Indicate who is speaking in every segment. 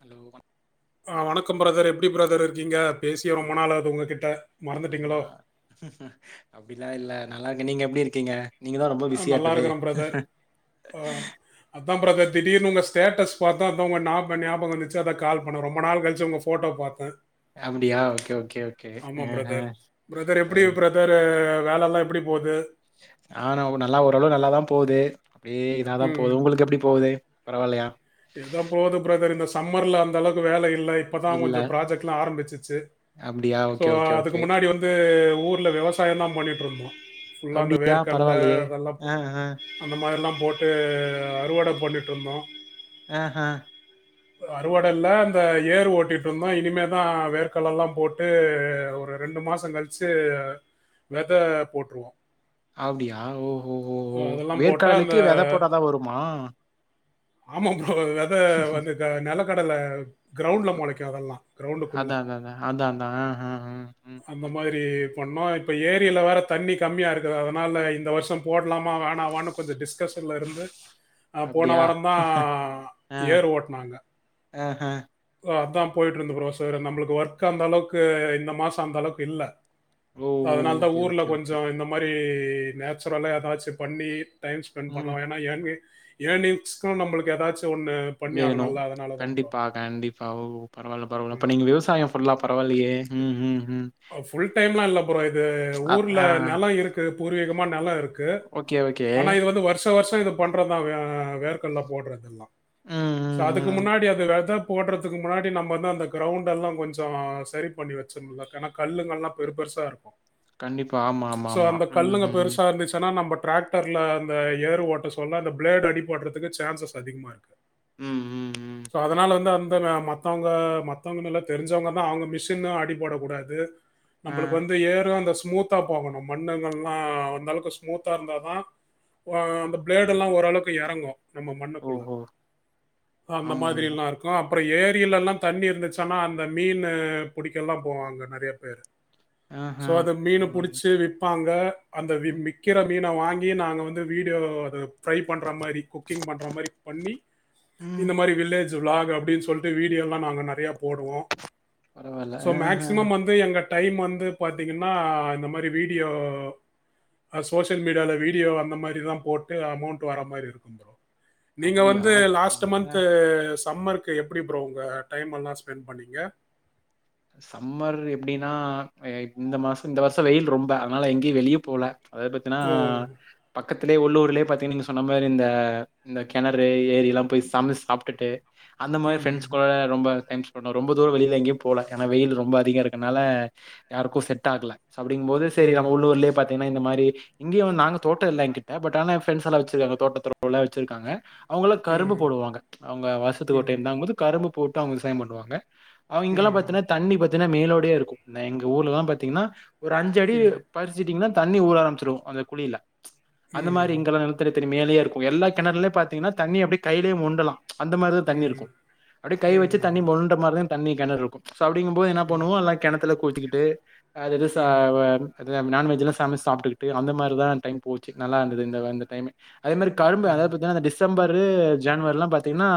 Speaker 1: Hello
Speaker 2: ஆ வணக்கம் brother எப்படி பிரதர் இருக்கீங்க பேசியே
Speaker 1: ஆ
Speaker 2: ரொம்ப நாள் ஆது உங்ககிட்ட மறந்துட்டீங்களோ
Speaker 1: அப்படிலா இல்ல நல்லா இருக்கே நீங்க எப்டி இருக்கீங்க நீங்க தா ரொம்ப
Speaker 2: அ நல்லா
Speaker 1: பிஸியாட்டமே
Speaker 2: இருக்கிறேன் அதா பிரதர் திடீர்னு உங்க ஸ்டேட்டஸ் பாத்த அதா உங்க ஞாப ஞாபகம் வந்துச்ச அத கால் பண்ண ரொம்ப நாள் கழிச்சு உங்க ஃபோ ஃபோட்டோ பாத்த
Speaker 1: அப்படியா ஓகே ஓகே ஓகேஆ ஆ செரி
Speaker 2: வேற வேல எல்லா எப்படி போகுது
Speaker 1: ஆ நா நல்லா ஓரளவு நல்லாதா ஆ ஏ நல்லாதா போகுது அப்படியே இதாதா
Speaker 2: ம்.
Speaker 1: போகுது உங்களுக்கு எப்படி போகுது பரவாயில்லையா
Speaker 2: ஏதோ போது பிரதர் இந்த சம்மர்ல அந்த அளவுக்கு வேல இல்லை இப்பதா
Speaker 1: இல்ல
Speaker 2: கொஞ்சோ ப்ராஜெக்ட் எல்லாம் ஆரம்பிச்சுச்சு
Speaker 1: அப்டியா
Speaker 2: சோ
Speaker 1: ஓகே ஓகே
Speaker 2: அதுக்கு
Speaker 1: ஓகே
Speaker 2: முன்னாடி வந் ந்து ஊர்ல விவசாயம் தா பண்ணிட்டு இருந்தோம் ஃபுல்லா அந்த
Speaker 1: அப்டியா
Speaker 2: வேர்கல்ல
Speaker 1: பரவால்லையே
Speaker 2: அதெல்லா போ
Speaker 1: ஆ ஆ
Speaker 2: அந்த மாரிலா போட்டு அறுவட பண்ணிட்டு இருந்தோ
Speaker 1: ஆஹா
Speaker 2: அறுவடைல்ல இந்த ஏர் ஓட்டிட்டு இருந்தோ இனிமேதா வேர்கல்ல எல்லா போட்டு ஒரு ரெண்டு மாசொ கழிச்சு வெத போட்ருவோ
Speaker 1: அப்டியா ஓ ஹோ ஓ ஓ வேர்க்கடலைக்கு வெத போட்டாதா வருமா
Speaker 2: ஆமா ஃப்ரோ வெத வந்து இந்த நெலக்கடல கிரௌண்ட்ல மொளைக்கு அதெல்லா கிரௌண்டுக்குள்ள
Speaker 1: அதா அதா அதா அதா அதா ஆ ஆ ம்
Speaker 2: அந்த
Speaker 1: ம்
Speaker 2: மாரி பண்ணோ இப்போ ஏரியில வேறு தண்ணி கம்மியா இருக்குது அதனால இந்த வருஷோ போட்லாமா வேணாவானு கொஞ்சோ டிஸ்கஷ்ன்ல இருந்து போன
Speaker 1: அப்டியா
Speaker 2: வாரந்தா
Speaker 1: ஆ
Speaker 2: ஏறு ஓட்னாங்க
Speaker 1: ஆஹ
Speaker 2: அதா போயிட்டு இருந்த ஃபுரோ செரி நம்மளுக்கு ஒர்க் அந்த அளவுக்கு இந்த மாச அந்த அளவுக்கு இல்ல
Speaker 1: ஓ ஓ
Speaker 2: அதனாலதா
Speaker 1: ஓகே
Speaker 2: ஊர்ல
Speaker 1: ஓகே ஓகே
Speaker 2: கொஞ்சோ இந்த மாரி நேச்சுரலா ஏதாச்சு பண்ணி டைம் ஸ்பெண்ட்
Speaker 1: ம்.
Speaker 2: பண்ணலா ஏன்னா ஏர்னி ஏர்னிங்ஸ்கு நம்மளுக்கு ஏதாச்சு ஒன்னு பண்ணி
Speaker 1: வேணும்.
Speaker 2: ஆகனுலா அதனால தா ப்ரோ
Speaker 1: கண்டிப்பா, கண்டிப்பா ஓ பரவால பரவால அப்ப
Speaker 2: ம்.
Speaker 1: நீங்க விவசாய ஃபுல்லா பரவால்லையே ம் ம் ம்
Speaker 2: ஃபுல் டைம்லா இல்ல ப்ரோ இது
Speaker 1: அ
Speaker 2: ஊர்ல
Speaker 1: ஆ
Speaker 2: நெல இருக்கு பூர்வீகமா நெல இருக் கு
Speaker 1: ஓகே, ஓகே.
Speaker 2: ஆனா இது வந்து வருஷ வருஷ இது பண்றதா வே வேர்கல்ல போடுறது எல்லா
Speaker 1: ம்,
Speaker 2: சோ அதுக்கு
Speaker 1: ம், ம்.
Speaker 2: முன்னாடி அது வெதப் போடுறதுக்கு முன்னாடி நம்ம வந்து அந்த கிரௌண்டல்லா கொஞ்சோ சரி பண்ணி வச்சுர்தலா கணக் கல்லுங்கல்லா பெரு பெருசா இருக்கு
Speaker 1: கண்டிப்பா. ஆமா, ஆமா,
Speaker 2: சோ
Speaker 1: ஆமா.
Speaker 2: அந்த
Speaker 1: ம்,
Speaker 2: கல்லுங்க
Speaker 1: ம்.
Speaker 2: பெருசா இருந்துச்சுன்னா நம்ம டிராக் டர்ல அந்த ஏர் ஓட்ட சொல்ல அந்த பிளேடு அடிபடுறதுக்கு சான்சஸ் அதிகமா இருக்கு
Speaker 1: ம் ம் ம்.
Speaker 2: சோ அதனால வந்து அந்த மத்தவங்க மத்தவங்க நல்லா தெரிஞ்சவங்கதா அவங்க மிஷினு அடி படக்கூடாது
Speaker 1: ஆ.
Speaker 2: நம்பளுக்கு வந்து ஏறு அந்த ஸ்மூ தா போகணு மண்ணுங்கள்லா அந்த அளவுக்கு ஸ்மூத்தா இருந்தாதா ஓ அந்த ஃபிளேடலா ஓரளவுக்கு எறங்கு நம்ம மண்ணுக்குள்ள
Speaker 1: ஓஹோ!
Speaker 2: அந்த
Speaker 1: ஆமா,
Speaker 2: மாதிரி
Speaker 1: ஆமா.
Speaker 2: எல்லா இருக் கோ அப்புற ஏரில எல்லா தண்ணி இருந்துச்சன்னா அந்த மீன்னு புடிக்கல்லா போவாங்க நெறையா பேரு
Speaker 1: ஆஹ.
Speaker 2: சோ அது மீனு
Speaker 1: பரவால்ல.
Speaker 2: புடிச்சு விப்பாங்க அந்த வி மிக்கிற மீன வாங்கி நாங்க வந்து வீடியோ அத ஃப்ரை பண்ற மாரி குக்கிங் பண்ற மாரி பண்ணி
Speaker 1: ம்.
Speaker 2: இந்த மாரி வில்லேஜ் விளாக் அப்டின் சொல்ட்டு வீடியோலா நாங்க நெறைய போடுவோ
Speaker 1: பரவால்ல.
Speaker 2: சோ
Speaker 1: ஆஹ.
Speaker 2: மேக்சிமம் வந் து எங்க டைம் வந்து பாத்தீங்கன்னா இந்த மாரி வீடியோ அ சோசியல் மீடியால வீடியோ அந்த மாரி தா போட்டு அமௌண்ட் வர மாரி இருக்கு ப்ரோ நீங்க
Speaker 1: அப்படியா?
Speaker 2: வந்து லாஸ்ட்
Speaker 1: அ.
Speaker 2: மந்து சம்மர் க்கு எப்டி ப்ரோ உங்க டைமல்லாம ஸ்பெண் பண்ணிங்க
Speaker 1: சம்மர் எப்டின்னா இந்த அ மாச இந்த வருஷ வெயில் ரொம்ப அதனால எங்கெயு வெளிய போல அத பத்தினா
Speaker 2: ஓ
Speaker 1: பக்கத்திலேயே உள்ளூர்லேயே பாத்தீங்க நீங்க சொன்ன மாரி இந்த இந்த கெணறு ஏரில்லா போய் சமச்சு சாப்டுட்டு அந்த மாரி ஃப்ரெண்டஸ்
Speaker 2: ம்
Speaker 1: கூட ரொம்ப டைம் ஸ் பண்ணுவ ரொம்ப தூரோ வெளில எங்கயு போல ஏனா வெயில் ரொம்ப அதிக இருக்கனால யாருக்கு செட்டாகுல சொ அப்டிங்குபோது செரி
Speaker 2: ம் ம்
Speaker 1: நம்ம உள்ளூர்லயே பாத் தின்னா இந்த மாரி இங்கெயு நாங்க தோட்ட இல்ல எங்கிட்ட பட் ஆனா எ ஃப்ரண்ட்ஸெல்லா வெச்சிருக்காங்க தோட்ட தொறவெல்லா வெச்சிருக்காங்க அவங்கலா கரும்பு போடுவாங்க அவுங்க வருசத்துக்கு ஒரு
Speaker 2: ம்
Speaker 1: டைம் தாங்கபோது கரும்பு போட்டு அவுங்க விவசாய பண்ணுவாங்க அ இங்கல்லா
Speaker 2: ம்
Speaker 1: பாத்தீனா தண்ணி பாத்தீனா மேலோடே இருக்கும் இ எங்க ஊர்லல்லா பாத்தீங்கன்னா ஒரு அஞ்சு அடி
Speaker 2: ம் ம்
Speaker 1: பற் ச்சுடீங்கன்னா தண்ணி ஊர ஆரம்பிச்சுரு அந்த குழில அந்த மாரி
Speaker 2: ம்.
Speaker 1: இங்கலா தெரி தெரியு மேலயே இருக்கு எல்லா கெணருல பாத்தீங்ன்னா தண்ணி அப்டி கையிலே மொண்டலா அந்த மார்தா தண்ணி இருக்கு
Speaker 2: ம்.
Speaker 1: அப்டியே கை வச்சு தண்ணி
Speaker 2: ம்.
Speaker 1: மொண்ட மாரிதா தண்ணி கெணறு இருக்கு சொ அப்டிங்கும்போது என்ன பண்ணுவோ எல்லா கெணத்துல குளுச்சுகிட்டு அதது சா
Speaker 2: ம்.
Speaker 1: வ அதுத நான்வெஜ்லா சமச்சு சாப்டுக்ட்டு அந்த மாரிதா டைம் போச்சு நல்லா இருந்தது இந்த இந்த டைம் அதே மாரி கரும்பு அதாது
Speaker 2: ம்.
Speaker 1: பாத்தீங்ன்னா இந்த டிச் சம்பரு ஜனவரிலா பாத்தீங்ன்னா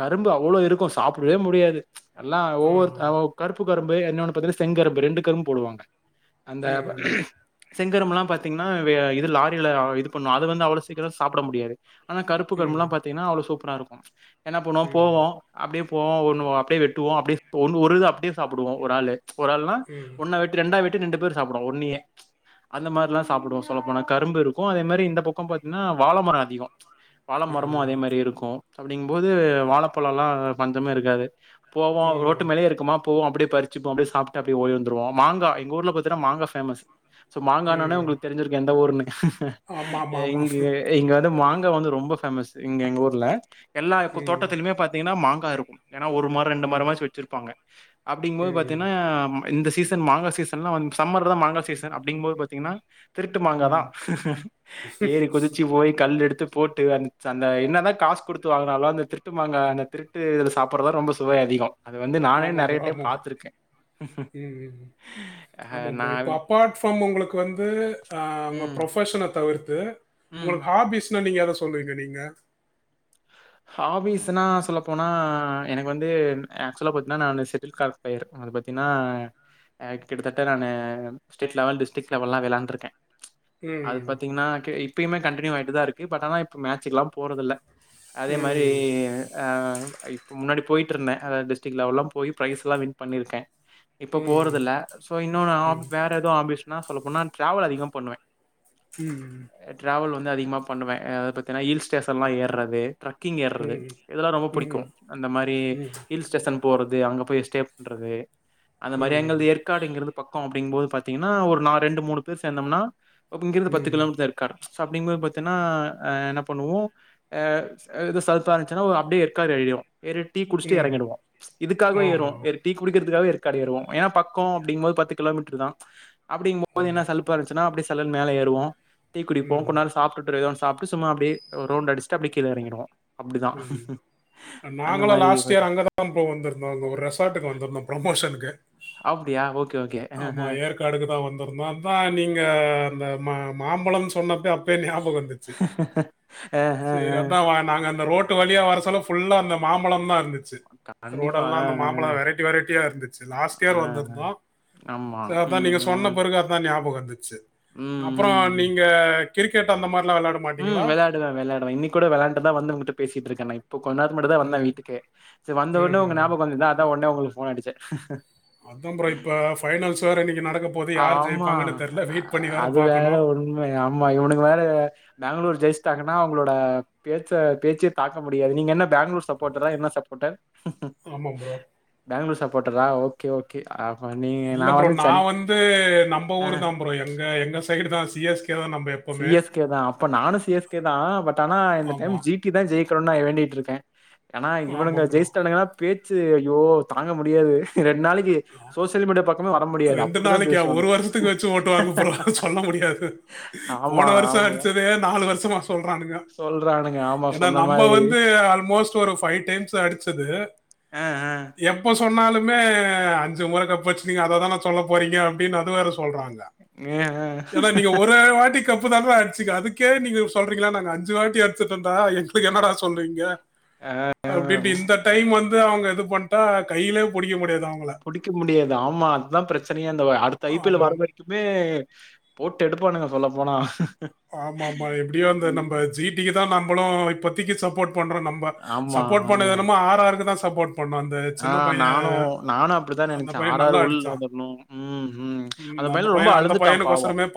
Speaker 1: கரும்பு அவ்ளோ இருக்கு சாப்டவே முடியாது எல்லா
Speaker 2: ஆ.
Speaker 1: ஒவ்வொரு க கருப்பு கரும்பு இன்னோன்னு பாத்தீங்ன்னா செங்கரும்பு ரெண்டு கரும்பு போடுவாங்க அந்த ப
Speaker 2: ம்.
Speaker 1: செங்கரும்புலா பாத்தீங்னா வெ இது லாரில இது பண்னு அது வந்து அவ்ளோ சீக்கரோ சாப்ட முடியாது ஆனா கருப்பு கரும்பல்லா
Speaker 2: ம்.
Speaker 1: பாத்தீங்கனா அவ்ளோ சூப்பரா இருக்கு ஏனா இப்போ நா
Speaker 2: ம்.
Speaker 1: போவோ அப்டியே போவொ ஒனு அப்படியே வெட்டுவோ அப்டியே ஒனு ஒருது அப்டியே சாப்டுவோ ஒரு ஆளு ஒரு ஆள்னா
Speaker 2: ம்.
Speaker 1: ஒன்னா வெட்டி ரெண்டா வெட்டி ரெண்டு பேர் சாப்டுவோ ஒன்னயே அந்த மார்லா சாப்டுவோ சொல்ல போனா கரும்பு இருக்கு அதே மேரி இந்த பக்கொ பாத்தீங்ன்னா வாழ மரொ அதிகொ வாழ மரமு
Speaker 2: ம்.
Speaker 1: அதே மாரி இருக்கு அப்டிங்கும் போது வாழப்பழலா பஞ்சமே இருக்காது போவொ ரோட்
Speaker 2: ம்.
Speaker 1: லே இருக்குமா போவோ அப்டியெ பறிச்சுப்போ அப்டியெ சாப்ட்டு அப்டியே ஓடி வந்துருவோ மாங்கா எங்க ஊர்ல பாத்திங்னா மாங்கா ஃபேமஸ் சோ மாங்கானோனே
Speaker 2: ம்.
Speaker 1: உங்களுக் தெரிஞ்சிருக்கு எந்த ஊருனு எ
Speaker 2: ஆமாமாமா.
Speaker 1: இங்க இங்க வந்து மாங்கா வந்து ரொம்ப ஃபேமஸ் இங்க எங்க ஊர்ல எல்லா கு
Speaker 2: ம்.
Speaker 1: தோட்டத்திலுமே பாத் தீயனா மாங்கா இருக்கும் ஏனா ஒரு ம ரெண்டு
Speaker 2: ம்.
Speaker 1: மரமாச்சு வச்சிருப்பாங்க அப்டிங்ம்போது
Speaker 2: ம்.
Speaker 1: பாத்தீங்னா அ இந்த சீசன் மாங்கா சீசன்லா வந் சம்மர்லா மாங்கா சீசன் அப்டிங்போது பாத்தீங்கனா திருட்டுமாங்காதா
Speaker 2: ம்.
Speaker 1: ஏறி குதிச்சு போயி கல் எடுத்து போட்டு அந் அந்த என்னதா காசு குடுத்து வாங்குனாலு அந்த திருட்டு மாங்கா அந்த திருட்டுது சாப்புறதா ரொம்ப சுவை அதிகொ நானே
Speaker 2: ஆமா
Speaker 1: நெறைய
Speaker 2: ப்ரோ,
Speaker 1: டைம்
Speaker 2: ஆமா ப்ரோ.
Speaker 1: பாத்துருக்கே
Speaker 2: ம் ம்
Speaker 1: அ
Speaker 2: ஆமா
Speaker 1: நா
Speaker 2: ப்ரோ இப்போ அப்பார்ட் ஃப்ரம் உங்களுக்கு வந்து ஆ உங்க
Speaker 1: ம்
Speaker 2: ப்ரொஃபஷன தவிர்த்து
Speaker 1: ம்
Speaker 2: உங்களுக் ஹாபீஸ்ன்னா நீங்க எத சொல்லுவீங்க நீங்க
Speaker 1: ஹாபீஸ்னா சொல்லப்போனா எனக்கு வந்து ஆக்சுவலா பாத்தீங்னா நா அந்த செட்டில் கார்க் போய்ருக்கு அது பாத்தீன்னா அ கிட்டத்தட்ட நானு ஸ்டேட் லெவல் டிஸ்டிக் லெவெல்லா விளாண்டுருக்கே அது
Speaker 2: ம்.
Speaker 1: பாத்தீங்னா க இப்பயுமே கண்டினியூ ஆயிட்டுதா இருக்கு பட் ஆனா இப்ப மேட்சுக்குலா போறதில்ல அதே மாரி
Speaker 2: ம்.
Speaker 1: ஆ இப்ப முன்னாடி போயிட்டுருந்த அதா டிஸ்டிக் லெவெல்லா போய் பிரைஸ்லா வின் பண்ணிருக்கே இப்பொ
Speaker 2: ம்.
Speaker 1: போறதில்ல சோ இன்னொன்னு ஆப்
Speaker 2: ம்.
Speaker 1: வேற எதுவு ஹாபிஸ்னா சொல்ல போனா டிராவல் அதிகமா பண்ணுவே
Speaker 2: ம் ம்
Speaker 1: ட்ராவல் வந்து அதிகமா பண்ணுவே அதா பாத்தின்னா ஹில் ஸ்டேஷன்லா ஏறது கிங் ஏறது
Speaker 2: ம்.
Speaker 1: இதெல்லா ரொம்ப புடிக்கு
Speaker 2: ம்.
Speaker 1: அந்த மாரி
Speaker 2: ம்.
Speaker 1: ஹில்ஸ் ஸ்டேஷன் போறது அங்க போய் ஸ்டே பண்றது அந்த மாரி அங்க
Speaker 2: ம்.
Speaker 1: ந்த எற்காடுங்கிறது பக்கோ அப்டிங்கும்போது பாத்தீங்ன்னா ஒரு ந ரெண்டு மூணு பேர் சேந்தம்னா அப் இங்கிருந்து பத்து
Speaker 2: ம்.
Speaker 1: கிலோமீட்டர்தா இருக்கு கர சோ அப்டிங்கம்போது பாத்தீங்ன்னா அ என்ன பண்ணுவோ அ அ எது சலுப்பா இருந்துச்சுன்னா ஒ அப்டியே எற்காடு ஏறிருவோ ஏறி டீ குடிச்சுட்டு
Speaker 2: ம்.
Speaker 1: எறங்கிடுவோ இதுக்கவே
Speaker 2: ஆ.
Speaker 1: ஏறுவோ எற் டீ குடிக்கிறதுக்காக எற்காடு ஏறுவோ ஏனா பக்கோ அப்டிங்கும்போது பத்து கிலோமீட்ருதா அப்டிங்ம்போது
Speaker 2: ம்.
Speaker 1: என்ன சலு ப்பா இருந்துச்சன்னா அப்டி சல்லுனு மேலே ஏறுவோ டீ குடிப்போ
Speaker 2: ம்.
Speaker 1: கொந் நேரோ சாப்ட்டுட்டுருக்குவ சாப்ட்டு சும்மா அப்டி ஒரு ரவுண்டு அடிச்சிட்டு அப்டியே கீழே எறங்கிருவோ
Speaker 2: ம்
Speaker 1: அந்த
Speaker 2: நாங்களு
Speaker 1: மாரி
Speaker 2: லாஸ்ட் இயர் அங்கதா தாம்போ வந்துருந்தோ அங்க ஒரு ரெஸ்ஸார்ட்டுக்கு வந்துருந்தோம் ப்ரோமோஷனக்கு
Speaker 1: அப்படியா ஓ
Speaker 2: ஆமா ஏற் காடுக்கு தா வந்திருந்தோ அதா நீங்க அ அந்த ம மாம்பழம் சொன்னப்ப அப்பே ஞாபகோ இருச்சு
Speaker 1: அ அ
Speaker 2: சரி
Speaker 1: அ
Speaker 2: அதா வா நாங்க அந்த ரோட் டு வழியா வரச்சொல்ல ஃபுல்லா அந்த மாம்பழோ தா இருந்துச்சு
Speaker 1: கண்டிப்பா
Speaker 2: ரோடெல்லா
Speaker 1: அ
Speaker 2: அந்த மாம்பழோ வெரைட்டி வெரைட்டியா இருந்துச்சு லாஸ்ட்
Speaker 1: அ
Speaker 2: இயர் வந்திருந்தோ
Speaker 1: ஆமா.
Speaker 2: சர் அதா
Speaker 1: ம்,
Speaker 2: நீங்க
Speaker 1: ம்,
Speaker 2: சொன்ன பிறகு அதா ஞாபக‌ வந்துச்சு
Speaker 1: ம்,
Speaker 2: அப் அப்புறோ
Speaker 1: ம்.
Speaker 2: நீங்க கிரிக்கெட் அந்த மாரில்லா விளையாட மாட்டீங்களா
Speaker 1: அதெல்லா விளையாடுவ இன்னக்கி கூட விளயாண்டுட்டுதா வந்து உங்கிட்ட பேசிட்டு இருக்க நா இப்ப கொஞ்சநேரத்துக்கு முன்னாடி தா வந்த
Speaker 2: ம்.
Speaker 1: வீட்டுக்கே சரி வந்த
Speaker 2: ம்.
Speaker 1: உன்னே உங்க
Speaker 2: ம்.
Speaker 1: ஞாபகோ வந்துதா அதா ஒடனே உங்களுக்கு ஃபோன் அடிச்ச
Speaker 2: அதா ப்ரோ இப்ப ஃபைனல்ஸ் வேறு இன்னைக்கு நடக்க போது யாரு
Speaker 1: ஆமா.
Speaker 2: ஜெயிப்பாங்கனு தெர்ல
Speaker 1: அ
Speaker 2: வெயிட் பண்ணி வேற
Speaker 1: அது
Speaker 2: பாக்கணு
Speaker 1: உண்மை ஆமா இவனுங்க வேற பெங்களூர் ஜெயிச்சிட்டாங்கன்னா அவுங்களோட பேச்ச பேச்சே பாக்க முடியாது நீங்க என்ன பேங்களூர் சப்போர்ட்டரா என்ன சப்போர்ட்டர்
Speaker 2: ஆமா ப்ரோ
Speaker 1: பேங்களூர் சப்போட்டரா ஓகே ஓகே அப்ப நீங்க நா
Speaker 2: இல்ல ப்ரோ.
Speaker 1: வந்து சென்
Speaker 2: நான் வந்து நம்ப
Speaker 1: ஆ.
Speaker 2: ஊர் தா ப்ரோ எங்க எங்க சைடு தா சி எஸ் கே தா நம்ப எ
Speaker 1: சி எஸ் கே தா அப்ப நானு சி எஸ் கே தா பட் ஆனா இந்த டைம்
Speaker 2: ஆமா.
Speaker 1: ஜி டி தா ஜெயிக்கணுனு நா வேண்டிட்டு இருக்க ஏன்னா
Speaker 2: ஆமா
Speaker 1: இவனுங்க
Speaker 2: ப்ரோ.
Speaker 1: ஜெயிச்சுட்டாங்கனா பேச்சு ஐயோ தாங்க முடியாது ரெண்டு நாளைக்கு சோசியல் மீடியா பக்கமே வர முடியாது அப்படிதா
Speaker 2: நாளைக்கா?
Speaker 1: பேசுவாங்க
Speaker 2: வருஷத்துக்கு வச்சு ஓட்டுவாங்க ப்ரோ. சொல்ல முடியாது போன
Speaker 1: ஆமா
Speaker 2: வருஷம்
Speaker 1: ஆமா
Speaker 2: அடிச்சதே
Speaker 1: சொல்றானுங்க ஆமா
Speaker 2: ஆனா
Speaker 1: சொன்ன
Speaker 2: நம்ப
Speaker 1: மாதிரி
Speaker 2: வந்து ஆல்மோஸ்ட் ஒரு ஃபைவ் டைம்ஸ் அடிச்சது
Speaker 1: அ அ
Speaker 2: எப்போ சொன்னாலுமே அஞ்சு முற கப்படிச்சிடிங்க அததான சொல்ல போறீங்க அப்டின்னு அத வேற சொல்றாங்க
Speaker 1: ஆஹ், ஆஹ்,
Speaker 2: ஏன்னா நீங்க ஒரே வாட்டி கப்பு தான்றா அடிச்சீங்க அதுக்கே நீங்க சொல்றீங்களா நாங்க அஞ்சு வாட்டி அடிச்சுட்டோன்டா எங்களுக்கு என்னடா சொல்றீங்க
Speaker 1: அ
Speaker 2: அப்டின்ட்டு இந்த டைம் வந்து அவுங்க இது பண்ட்டா கையிலே புடிக்க முடியாது அவுங்கள
Speaker 1: புடிக்க முடியாது ஆமா அதுதா பிரச்சனையே அந்த அடுத்த ஐ பி எல் வர
Speaker 2: ஆமாம்
Speaker 1: க்குமே போட்டு எடுப்பானுங்க சொல்ல போனா
Speaker 2: ஆமா ஆமா எப்படியோ அந்த நம்ப ஜி டிக்கு தா நம்பளு இப்பத்திக்கு சப்போர்ட் பண்றோ நம் ப
Speaker 1: ஆமா
Speaker 2: சப்போர்ட் பண்ணது
Speaker 1: ஆமா
Speaker 2: என்னமோ ஆர் ஆர்க்கு தா சப்போர்ட் பண்ணோ அந்
Speaker 1: ஆ நானு நானு அப்படித்தா
Speaker 2: அந்த
Speaker 1: நெனைச்ச
Speaker 2: பையன்
Speaker 1: ஆர் ஆர்
Speaker 2: நல்லா
Speaker 1: உள்ள
Speaker 2: அடிச்சான்
Speaker 1: வந்துடணு ம் ம் அந்த பயலும் ரொம்ப
Speaker 2: பையன் அந்த
Speaker 1: அழுந்துட்டான் பாவு
Speaker 2: பையனுக்கோசரமே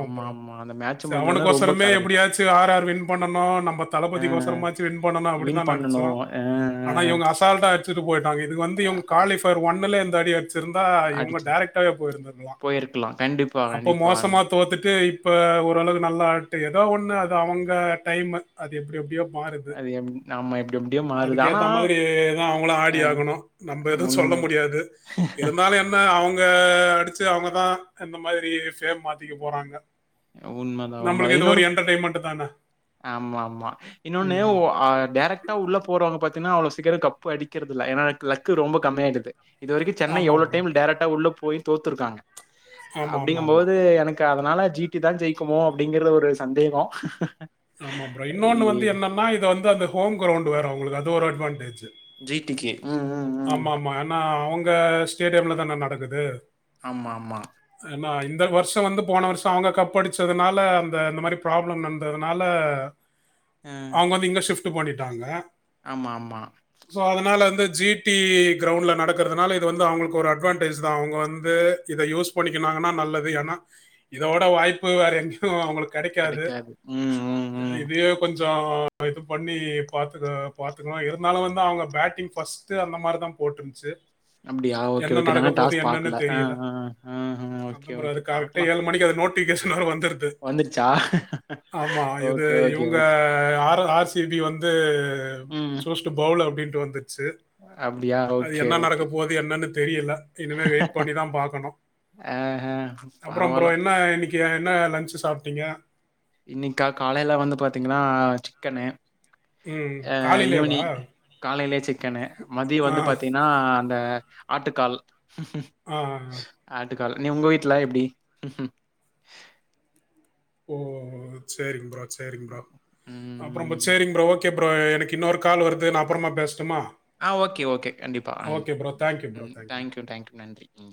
Speaker 1: ஆமா ஆமா அந்த மே
Speaker 2: ச அவனுக்கோசரமே எப்படியாச்சு ஆர் ஆர் வின் பண்ணணு நம்
Speaker 1: அ, அ.
Speaker 2: தளபதிக்கோசரமாச்சுவின் பண்ணணு அப்டின்
Speaker 1: வின்
Speaker 2: தா நெனச்சோ
Speaker 1: பண்ணணும். அ,
Speaker 2: ஆனா இவுங்க அசால்டா அச்சுட்டு போயிட்டாங்க இது வந்து இவுங்க
Speaker 1: அ. அ
Speaker 2: குவாலிஃபர் ஒன்னுல இந்த அடி ச்சிருந்தா இவுங்க
Speaker 1: அடிச்சு
Speaker 2: டேரெக்டாவே போயிருந்தக்கலா
Speaker 1: போயிருக்கலாம். கண்டிப்பா,
Speaker 2: அப்ப
Speaker 1: கண்டிப்பா.
Speaker 2: மோசமா தோத்துட்டு இப்ப ஓரளவு நல்லா ஆட்டு ஏதோ ஒண்ணு அது அவுங்க டைம் அது எப்டி எப்டியோ மாருது
Speaker 1: அது எப் ஆமா எப்டி எப்டியோ மாறுது.
Speaker 2: அதுக்கு
Speaker 1: ஆனா
Speaker 2: ஏத்த மாதிரிதா அவுங்களு
Speaker 1: அ
Speaker 2: ஆடி ஆகணு நம்ப எது
Speaker 1: உண்ம
Speaker 2: சொல்ல முடியாது இருந்தாலு எ ன்ன அவுங்க அடிச்சு அவுங்கதா அந்த மாரி ஃபேம் மாத்திக்க போறாங்க
Speaker 1: உண்மதா உண்மதா
Speaker 2: நம்மளுக்கு இது ஒரு
Speaker 1: இன்னொன்னு
Speaker 2: என்டர்டைன்மெண்ட் தானே
Speaker 1: ஆமா ஆமா இன்னொன்னு ஒ
Speaker 2: ம்
Speaker 1: அ டேரக்ட் க்டா உள்ள போறவங்க பாத்தீனா அவ்ளோ சீக்கிர கப்பு அடிக்கறது இல்ல ஏன்னா லக்கு ரொம்ப கம்மியாடுது இதுவரைக்கு சென்னை
Speaker 2: ஆமாம்
Speaker 1: எவ்வளோ
Speaker 2: ப்ரோ
Speaker 1: டைம் டேரக்டா உள்ள போய் தோத்துருக்காங்க
Speaker 2: ஆமாம் ஆமாம்
Speaker 1: அப்டிங்கு
Speaker 2: ஆமாம்
Speaker 1: போது எனக்கு கு அதனால ஜீ டி தா ஜெயிக்குமோ அப்டிங்கறது ஒரு சந்தேகொ
Speaker 2: ஆமா ப்ரோ இன்னொன்னு வந்து என்னன்னா இத வந்து அந்த ஹோம் கிரௌண்டு வேர அவுங்களுக்கு அது ஒரு அட்வான்டேஜு
Speaker 1: ஜி டி கி
Speaker 2: ஆமா ஆமா ஏன்னா அவுங்க ஸ்டேடியம்ல தான நடக்குது
Speaker 1: ஆமா ஆமா
Speaker 2: ஏன்னா இந்த வருஷ வந்து போன வருஷ அவுங்க கப்படிச்சதனால அந்த இந்த மாரி ப்ராப்ளம் நடந்ததுனால
Speaker 1: அ
Speaker 2: அவுங்க வந்து இங்க ஷிஃப்டு பண்ணிட்டாங்க
Speaker 1: ஆமா ஆமா
Speaker 2: சோ அதனால வந்து ஜீ டி க்ரவுண்ட்ல நடக்கறதுனால இது வந்து அவுங்களுக்கு ஒரு அட்வான்டேஜ் தா அவுங்க வந்து இத யூஸ் பண்ணிக்கனாங்கன்னா நல்லது ஏன்னா இதோட வாய்ப்பு வேற எங்க கூ அவுங்களுக்கு கெடைக்காது
Speaker 1: ம் ம் ம்
Speaker 2: இதே கொஞ்சோ இது பண்ணி பாத்துக்கோ பாத்துக்கணு இருந்தாலு வந்து அவுங்க பேட்டிங் ஃபர்ஸ்ட் டு அந்த மாரிதா போட்டுருந்ச்சு
Speaker 1: அப்படியா ஓகே
Speaker 2: என்ன
Speaker 1: ஓகே
Speaker 2: நடக்க
Speaker 1: நானா
Speaker 2: போது
Speaker 1: டாஸ்
Speaker 2: என்னன்னு
Speaker 1: பாக்கல அ
Speaker 2: தெரியல
Speaker 1: அ அ ம் ஓகே
Speaker 2: [unintelligible] அது
Speaker 1: ஓகே
Speaker 2: கரெக்ட
Speaker 1: பாக்கலாம்
Speaker 2: ஏழு மணிக்கு அத நோட் டிகேசனோட வந்துரு து
Speaker 1: வந்துருச்சா
Speaker 2: ஆமா இது
Speaker 1: ஓகே ஓகே
Speaker 2: இவுங்க
Speaker 1: ஓகே
Speaker 2: ஆரோ ஆ ர் சி பி வந்து
Speaker 1: ம்
Speaker 2: சூஸ்டு பவுலு அப்டின்டு வந்துருச்சு
Speaker 1: அப்டியா
Speaker 2: அது என்ன நடக்க போது என்னன்னு தெரியல இனிமே வெயிட் பண்ணி தா பாக்கணு
Speaker 1: ஆஹ
Speaker 2: அப்பறோ ப்ரோ
Speaker 1: பரவால்ல
Speaker 2: என்ன இன்னக்கி என்ன லன்சு சாப்ட்டிங்க
Speaker 1: இன்னைக்கு கா காலையில வந்து பாத்தீங்கன்னா அ சிக்கனு
Speaker 2: ம்
Speaker 1: அ
Speaker 2: காலையிலேவா
Speaker 1: ஈவ்னிங் காலையிலே சிக்கனு மதிய
Speaker 2: ஆ
Speaker 1: வந்து பாத்தீங்னா அந்த ஆட்டுக்கால்
Speaker 2: ஆ
Speaker 1: ஆட்டுக்கால் ண்ணே உங்க வீட்ல எப்டி
Speaker 2: ஓ சேரிங் ப்ரோ சேரிங் ப்ரோ அப்புறோ
Speaker 1: ம்.
Speaker 2: Sharing bro okay okay bro எனக்கு இன்னொரு கால் வருது நா அப்பறமா பேசட்டுமா
Speaker 1: ஆ ஓகே ஓகே கண்டிப்பா ம்
Speaker 2: ஓகே ப்ரோ தேங்க்யூ ப்ரோ
Speaker 1: ம்
Speaker 2: thank you
Speaker 1: thank
Speaker 2: bro
Speaker 1: you thank you நன்றி ம்